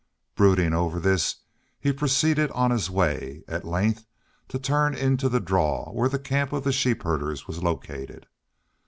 Brooding over this he proceeded on his way, at length to turn into the draw where the camp of the sheep herders was located.